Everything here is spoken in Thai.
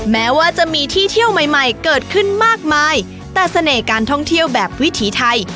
แพลวใหม่เกิดขึ้นมากมายแต่เสน่ห์การท่องเที่ยวแบบวิถีไทย